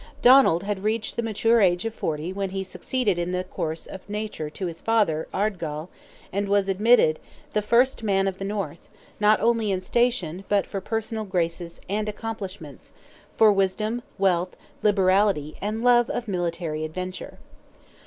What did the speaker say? Donald had reached the mature age of forty when he succeeded in the course of nature to his father, Ardgall, and was admitted the first man of the North, not only in station but for personal graces and accomplishments; for wisdom, wealth, liberality, and love of military adventure.